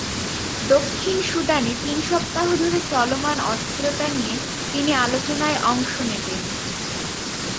দক্ষিণ সুদানে তিন সপ্তাহ ধরে চলমান অস্থিরতা নিয়ে তিনি আলোচনায় অংশ নেবেন।